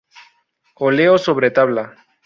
Óleo sobre tabla.